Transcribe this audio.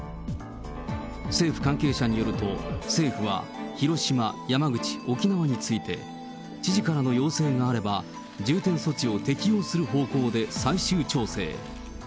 政府関係者によると、政府は広島、山口、沖縄について、知事からの要請があれば重点措置を適用する方向で最終調整。